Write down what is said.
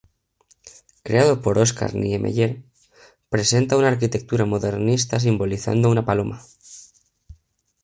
Creado por Oscar Niemeyer, presenta una arquitectura modernista simbolizando una paloma.